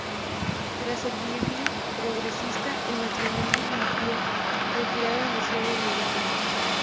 Tras el Bienio Progresista el matrimonio vivió retirado en la ciudad de Logroño.